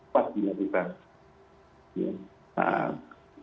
pas di natifah